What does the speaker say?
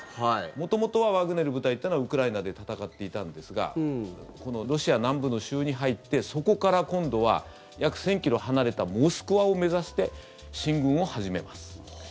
元々はワグネル部隊というのはウクライナで戦っていたんですがこのロシア南部の州に入ってそこから今度は約１０００ｋｍ離れたモスクワを目指して進軍を始めます。